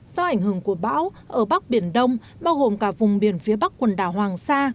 do ảnh hưởng của bão ở bắc biển đông bao gồm cả vùng biển phía bắc quần đảo hoàng sa